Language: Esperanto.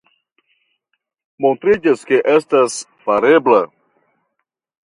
Montriĝas, ke estas farebla.